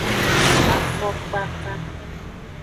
Afokpaka.